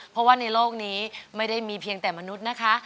เพราะว่าในโลกนี้ไม่ได้มีเพียงแต่มนุษย์นะคะ